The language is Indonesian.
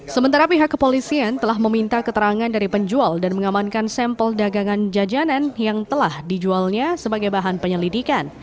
sementara pihak kepolisian telah meminta keterangan dari penjual dan mengamankan sampel dagangan jajanan yang telah dijualnya sebagai bahan penyelidikan